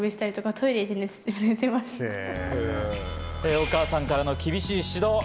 お母さんからの厳しい指導。